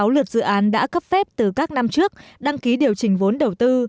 một hai trăm năm mươi sáu lượt dự án đã cấp phép từ các năm trước đăng ký điều chỉnh vốn đầu tư